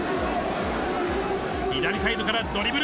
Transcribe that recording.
左サイドからドリブル。